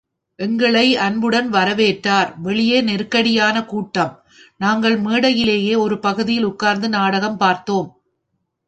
எங்களை அன்புடன் வரவேற்றார், வெளியே நெருக்கடியான கூட்டம், நாங்கள் மேடையிலேயே ஒரு பகுதியில் உட்கார்ந்து நாடகம் பார்த்தோம்.